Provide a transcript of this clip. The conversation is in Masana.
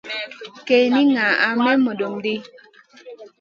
Kay di ŋaha may mudum ɗi.